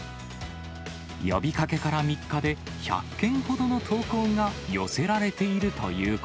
呼びかけから３日で１００件ほどの投稿が寄せられているというこ